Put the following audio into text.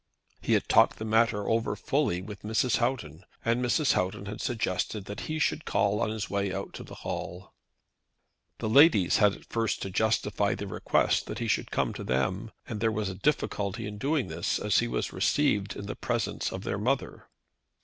He had talked the matter over fully with Mrs. Houghton, and Mrs. Houghton had suggested that he should call on his way out to the Hall. The ladies had at first to justify their request that he should come to them, and there was a difficulty in doing this, as he was received in presence of their mother.